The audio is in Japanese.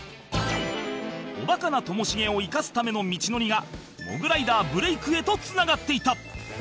おバカなともしげを生かすための道のりがモグライダーブレークへとつながっていた